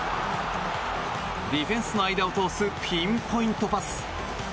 ディフェンスの間を通すピンポイントパス。